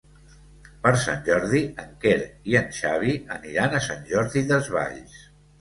Per Sant Jordi en Quer i en Xavi aniran a Sant Jordi Desvalls.